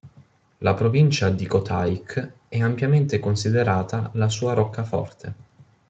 La Provincia di Kotayk è ampiamente considerata la sua roccaforte.